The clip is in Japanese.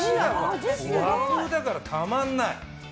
和風だからたまらない。